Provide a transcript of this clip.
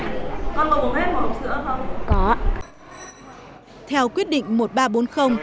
con có uống hết một hộp sữa không